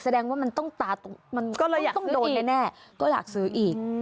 แสดงว่ามันต้องตาตรงก็อยากซื้ออีก